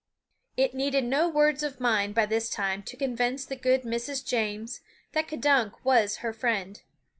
It needed no words of mine by this time to convince the good Mrs. James that K'dunk was her friend.